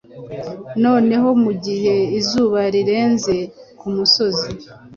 Noneho, mugihe izuba rirenze kumusozi,